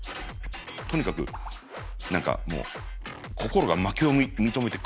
とにかく何かもう心が負けを認めて悔しいみたいな。